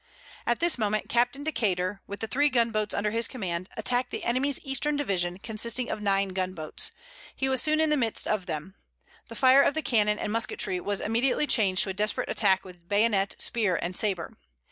At this moment, Captain Decater, with the three gun boats under his command, attacked the enemy's eastern division, consisting of nine gun boats. He was soon in the midst of them. The fire of the cannon and musketry was immediately changed to a desperate attack with bayonet, spear and sabre.